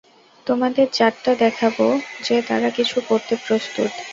তোমাদের জাতটা দেখাক যে তারা কিছু করতে প্রস্তুত।